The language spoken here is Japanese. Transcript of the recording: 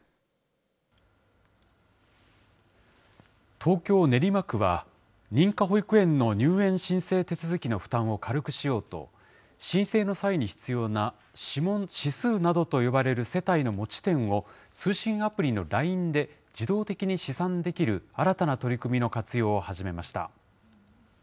東京・練馬区は、認可保育園の入園申請手続きの軽くしようと、申請の際に必要な、指数などと呼ばれる世帯の持ち点を通信アプリのＬＩＮＥで自動的に試算できる新たな取り組みの活用を始めました。